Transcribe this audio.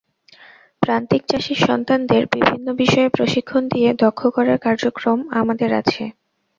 প্রান্তিক চাষির সন্তানদের বিভিন্ন বিষয়ে প্রশিক্ষণ দিয়ে দক্ষ করার কার্যক্রম আমাদের আছে।